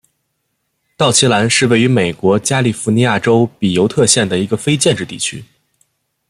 道奇兰是位于美国加利福尼亚州比尤特县的一个非建制地区。